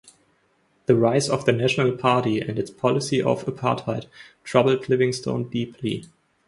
The rise of the National Party and its policy of Apartheid troubled Livingstone deeply.